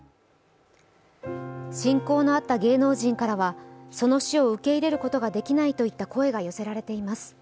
親交のあった芸能人からは、その死を受け入れることができないという声も寄せられています。